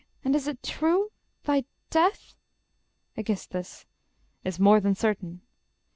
And is it true?... Thy death... Aegis. Is more than certain....